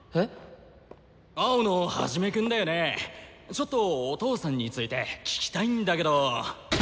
ちょっとお父さんについて聞きたいんだけど！